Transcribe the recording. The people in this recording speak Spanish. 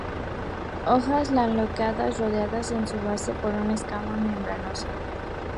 Hojas lanceoladas, rodeadas en su base por una escama membranosa.